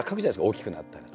「大きくなったら」。